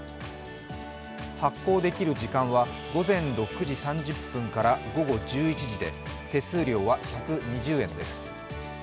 発行できる時間は、午前６時３０分から午後１１時で手数料は１２０円です。